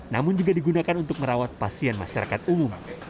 namun juga digunakan untuk merawat pasien masyarakat umum